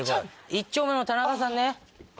１丁目のタナカさんね。